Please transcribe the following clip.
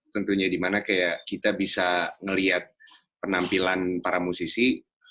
tentunya dimana kayak kita bisa melihat penampilan para musisi